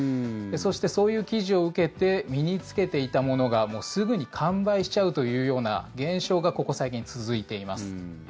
そして、そういう記事を受けて身に着けていたものがすぐに完売しちゃうというような現象がここ最近続いています。